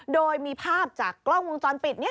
โดยมีภาพจากกล้องวงจรปิด